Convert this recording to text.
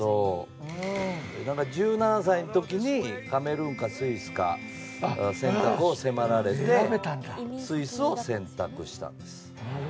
１７歳の時に、カメルーンかスイスか選択を迫られてスイスを選択したんです。